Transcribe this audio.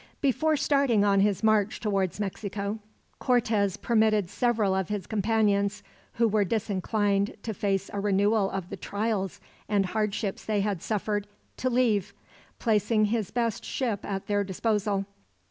Before starting on his march towards Mexico, Cortez permitted several of his companions, who were disinclined to face a renewal of the trials and hardships they had suffered, to leave; placing his best ship at their disposal.